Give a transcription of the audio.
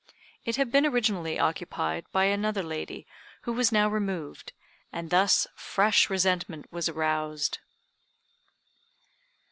It had been originally occupied by another lady who was now removed, and thus fresh resentment was aroused.